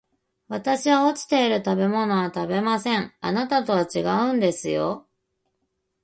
私は落ちている食べ物を食べません、あなたとは違うんですよ